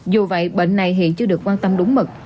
dù vậy bệnh này hiện chưa được quan tâm đúng mực